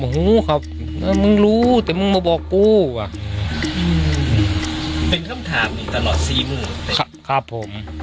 ไม่ผมหูครับมึงรู้แต่มึงมาบอกกูว่ะอืมเป็นคำถามตลอดซีมูดครับผม